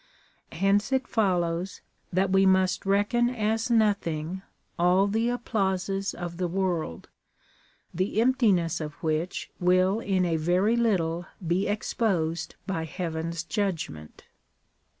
Hence it follows, that we must reckon as nothing all the applauses of the world, the empti ness of which will in a very little be exposed by heaven's judgment.